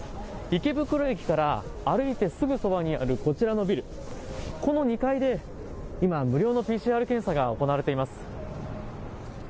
池袋駅から歩いてすぐそばにあるこちらのビル、この２階で今、無料のＰＣＲ検査が行われています。